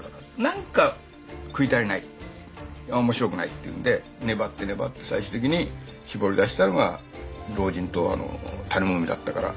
「なんか食い足りない面白くない」って言うんで粘って粘って最終的に絞り出したのが老人と種モミだったから。